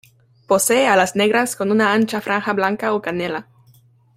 Posee alas negras con una ancha franja blanca o canela.